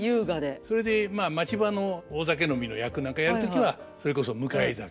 それで町場の大酒飲みの役なんかやる時はそれこそ迎え酒。